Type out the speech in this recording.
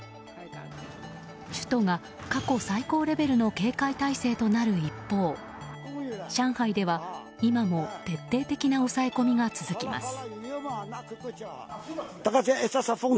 首都が過去最高レベルの警戒態勢となる一方上海では今も徹底的な抑え込みが続きます。